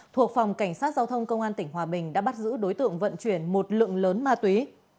thuộc phòng cảnh sát giao thông công an tỉnh hòa bình đã bắt giữ đối tượng vận chuyển một lượng lớn ma túy